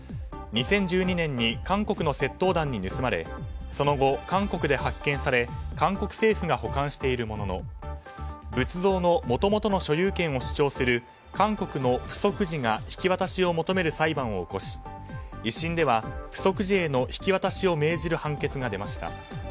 ２０１２年に韓国の窃盗団に盗まれその後、韓国で発見され韓国政府が保管しているものの仏像のもともとの所有権を主張する韓国の浮石寺が引き渡しを求める裁判を起こし１審では浮石寺への引き渡しを命じる判決が出ました。